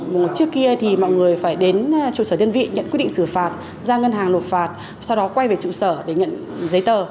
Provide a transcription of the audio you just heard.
trước kia thì mọi người phải đến trụ sở đơn vị nhận quyết định xử phạt ra ngân hàng nộp phạt sau đó quay về trụ sở để nhận giấy tờ